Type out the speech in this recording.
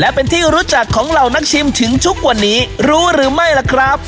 และเป็นที่รู้จักของเหล่านักชิมถึงทุกวันนี้รู้หรือไม่ล่ะครับ